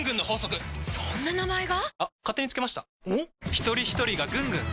ひとりひとりがぐんぐん！